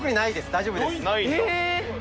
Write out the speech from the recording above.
大丈夫です。